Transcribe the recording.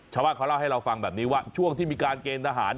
ชาวบ้านเขาเล่าให้เราฟังแบบนี้ว่าช่วงที่มีการเกณฑ์ทหาร